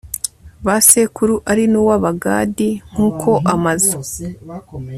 ba sekuru ari n uw Abagadi nk uko amazu